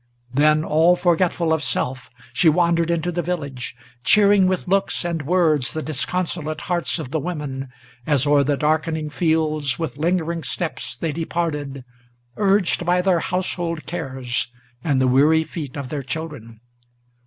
Then, all forgetful of self, she wandered into the village, Cheering with looks and words the disconsolate hearts of the women, As o'er the darkening fields with lingering steps they departed, Urged by their household cares, and the weary feet of their children.